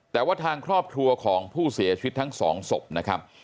แต่ว่าทางครอบครัวของผู้เสียชีวิตทั้งสองศพนะครับ